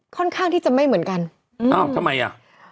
ค่อนข้างที่จะไม่เหมือนกันอ้าวทำไมอ่ะ